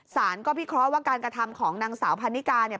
สารก็พิเคราะห์ว่าการกระทำของนางสาวพันนิกาเนี่ย